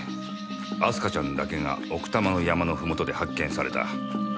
明日香ちゃんだけが奥多摩の山のふもとで発見された。